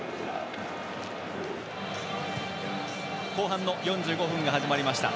後半の４５分が始まりました。